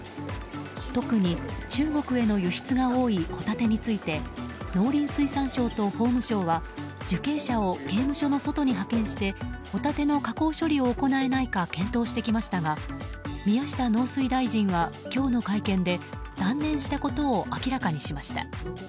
特に中国への輸出が多いホタテについて農林水産省と法務省は受刑者を刑務所の外に派遣してホタテの加工処理を行えないか検討してきましたが宮下農水大臣は今日の会見で断念したことを明らかにしました。